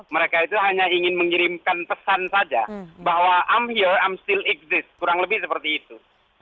mereka itu hanya ingin mengirimkan pesan saja bahwa i'm here i'm still exist kurang lebih seperti itu